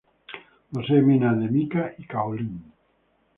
Posee minas de mica y caolín.